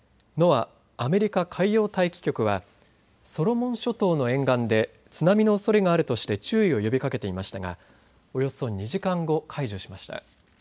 ・アメリカ海洋大気局はソロモン諸島の沿岸で津波のおそれがあるとして注意を呼びかけていましたがおよそ２時間後、解除しました。